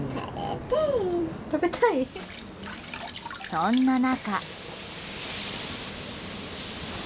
そんな中。